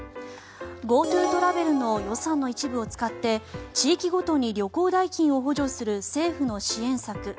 ＧｏＴｏトラベルの予算の一部を使って地域ごとに旅行代金を補助する政府の支援策